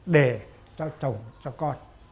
để cho chồng cho con